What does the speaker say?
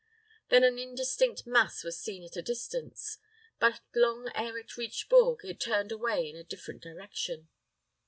Then an indistinct mass was seen at a distance; but long ere it reached Bourges, it turned away in a different direction.